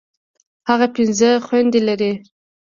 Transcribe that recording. هغه پنځه خويندي لري.